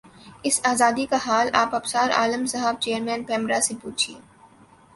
اس آزادی کا حال آپ ابصار عالم صاحب چیئرمین پیمرا سے پوچھیے